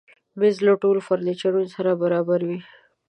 مېز له ټولو فرنیچرو سره برابر وي.